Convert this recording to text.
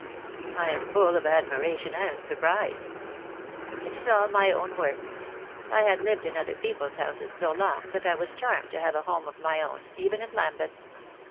"I am full of admiration and surprise!" "It is all my own work. I h&d lived in other people's houses so long that I was charmed to have a home of my own, even in Lambeth.